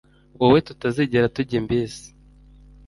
Wowe tutazigera tujya imbizi